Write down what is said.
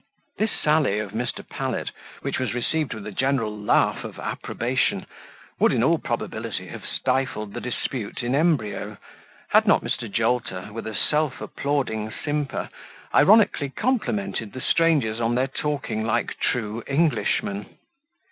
This sally of Mr. Pallet, which was received with a general laugh of approbation, would in all probability, have stifled the dispute in embryo, had not Mr. Jolter, with a self applauding simper, ironically complimented the strangers on their talking like true Englishmen.